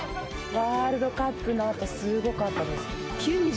ワールドカップのあと、すごかったです。